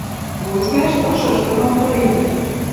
Вузвлӓш ышышты дон пыренӹт.